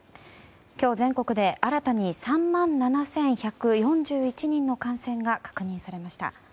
今日、全国で新たに３万７１４１人の感染が確認されました。